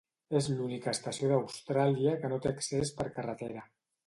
És l'única estació d'Austràlia que no té accés per carretera.